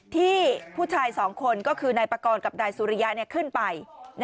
ที่ผู้ชายสองคนก็คือนายปากรกับนายสุริยะขึ้นไป